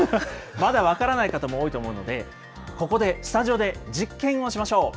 まだ分からない方も多いと思うので、ここで、スタジオで実験をしましょう。